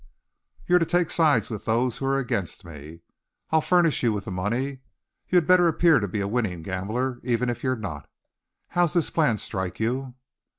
"You're to take sides with those who're against me. I'll furnish you with the money. You'd better appear to be a winning gambler, even if you're not. How's this plan strike you?"